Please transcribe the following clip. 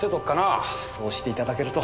そうして頂けると。